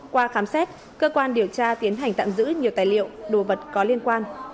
qua khám xét cơ quan điều tra tiến hành tạm giữ nhiều tài liệu đồ vật có liên quan